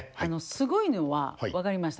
すごいのは分かりました。